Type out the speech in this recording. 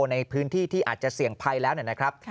ในพื้นที่ที่อาจจะเสี่ยงภัยแล้วนะครับ